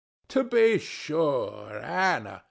To be sure: Ana.